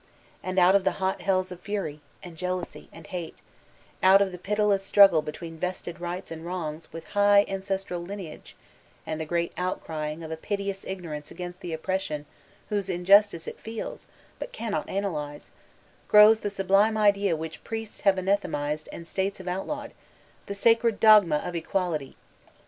And out of the hot hells of Fury, and Jealousy, and Hate, out of the pitiless struggle between 'Vested rights*' and wrongs with high ancestral lineage, and the great outcrying of a piteous ignorance against an oppression whose injustice it feels but cannot analyse, grows the sublime idea which priests have anathematised and States have outlawed— ''the sacred dogma of Equauty."